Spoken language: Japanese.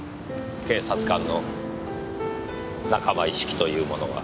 警察官の仲間意識というものは。